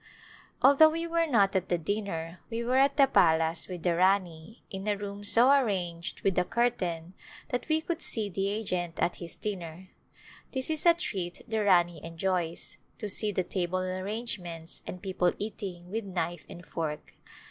Although we were not at the dinner we were at the palace with the Rani in a room so ar ranged with a curtain that we could see the agent at his dinner. This is a treat the Rani enjoys, to see the table arrangements and people eating with knife and fork.